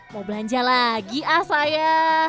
mau belanja lagi ah saya